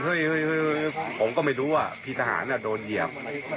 เฮ้ยเฮ้ยเฮ้ยเฮ้ยผมก็ไม่รู้ว่าพี่ทหารโดนเหยียบ